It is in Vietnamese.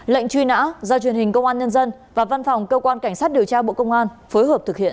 lệnh truy nã do truyền hình công an nhân dân và văn phòng cơ quan cảnh sát điều tra bộ công an phối hợp thực hiện